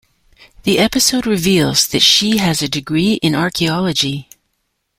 The episode reveals that she has a degree in archaeology.